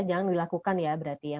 jangan dilakukan ya mbak ika ya